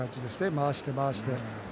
回して回して。